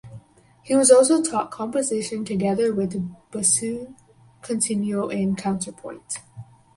He was also taught composition together with basso continuo and counterpoint.